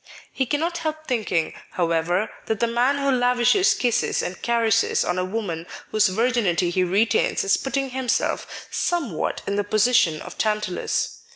He cannot help thinking, however, that the man who lavishes kisses and caresses on a woman whose virginity he retains is putting himself somewhat in the position of Tantalus.